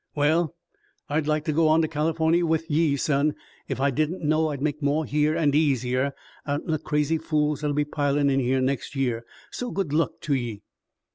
"Well, I'd like to go on to Californy with ye, son, ef I didn't know I'd make more here, an' easier, out'n the crazy fools that'll be pilin' in here next year. So good luck to ye."